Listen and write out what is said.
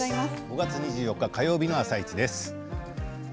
５月２４日火曜日の「あさイチ」です。